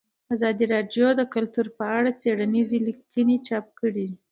ازادي راډیو د کلتور په اړه څېړنیزې لیکنې چاپ کړي.